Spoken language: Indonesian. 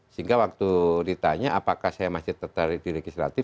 sehingga waktu ditanya apakah saya masih tertarik di legislatif